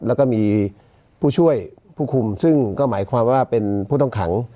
แล้วก็มีผู้ช่วยผู้คุมซึ่งก็หมายความว่าเป็นผู้ต้องขัง